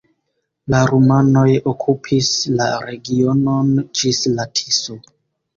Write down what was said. La rumanoj okupis la regionon ĝis la Tiso.